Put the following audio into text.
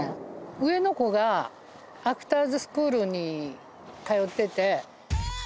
上の子がアクターズスクールに通ってて。